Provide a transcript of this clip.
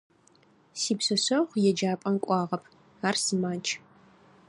Сипшъэшъэгъу еджапӏэм кӏуагъэп: ар сымадж.